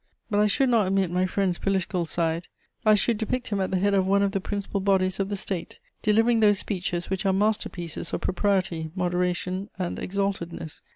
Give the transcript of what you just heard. But I should not omit my friend's political side. I should depict him at the head of one of the principal bodies of the State, delivering those speeches which are master pieces of propriety, moderation and exaltedness.